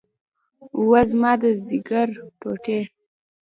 اوه زما د ځيګر ټوټې.